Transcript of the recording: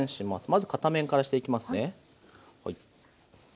まず片面からしていきますね。